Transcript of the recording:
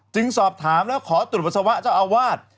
สอบถามแล้วขอตรวจปัสสาวะเจ้าอาวาส